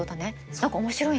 何か面白いね。